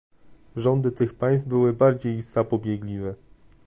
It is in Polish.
Rządy tych państw były bardziej zapobiegliwe